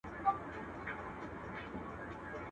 o کږه غاړه توره نه وهي.